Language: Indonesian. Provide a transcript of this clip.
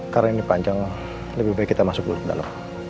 karena ini panjang lebih baik kita masuk dulu